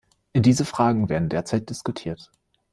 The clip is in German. Diese Fragen werden derzeit diskutiert.